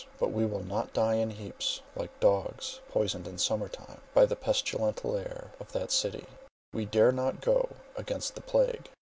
But we will not die in heaps, like dogs poisoned in summer time, by the pestilential air of that city—we dare not go against the plague!"